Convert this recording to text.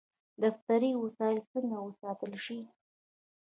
دفتري وسایل څنګه وساتل شي؟